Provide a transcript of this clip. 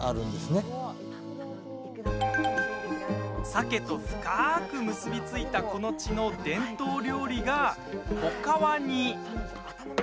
サケと深く結び付いたこの地の伝統料理が卵皮煮。